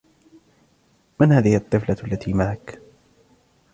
من هذه الطفلة التي معك؟